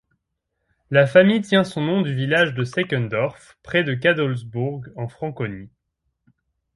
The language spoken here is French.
La famille tient son nom du village de Seckendorf, près de Cadolzburg en Franconie.